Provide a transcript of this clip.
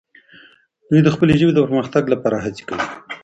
دوی د خپلې ژبې د پرمختګ لپاره هڅې کوي.